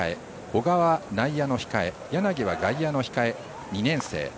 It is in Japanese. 小川、内野の控え柳は外野の控え、２年生。